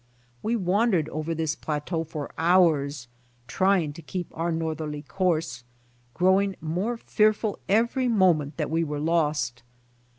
We wandered over this plateau for hours, trying to keep our northerly course, growing more fearful every moment that we were lost.